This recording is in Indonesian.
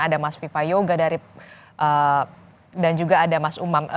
ada mas viva yoga dan juga ada mas umam